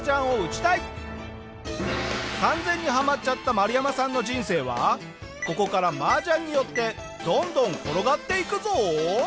完全にハマっちゃったマルヤマさんの人生はここから麻雀によってどんどん転がっていくぞ。